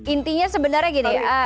intinya sebenarnya gini